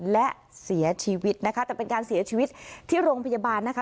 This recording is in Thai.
และเสียชีวิตนะคะแต่เป็นการเสียชีวิตที่โรงพยาบาลนะคะ